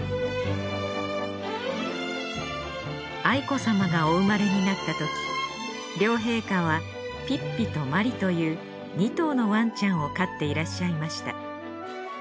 愛子さまがお生まれになったとき両陛下はピッピとマリという２頭のワンちゃんを飼っていらっしゃいました。